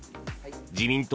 自民党